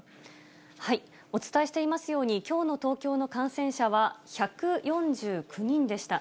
お伝えしていますように、きょうの東京の感染者は１４９人でした。